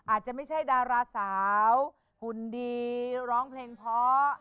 อาจจะไม่ใช่ดาราสาวหุ่นดีร้องเพลงเพราะ